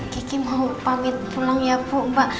keki mau pamit pulang ya mbak